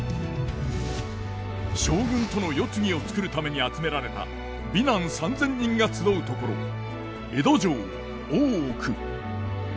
将軍との世継ぎをつくるために集められた美男３，０００人が集うところ江戸城・大奥。